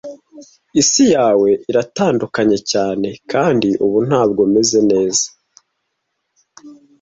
Isi yawe iratandukanye cyane, kandi ubu ntabwo meze neza.